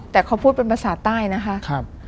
แต่เขาพูดเป็นภาษาใต้นะคะ